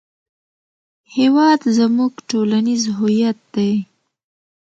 هېواد زموږ ټولنیز هویت دی